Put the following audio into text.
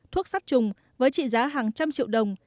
thuốc sắt trùng với trị giá hàng trăm triệu đồng